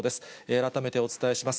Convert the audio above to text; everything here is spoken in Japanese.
改めてお伝えします。